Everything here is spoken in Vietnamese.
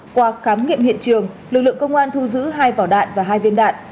qua khám nghiệm hiện trường lực lượng công an thu giữ hai vỏ đạn và hai viên đạn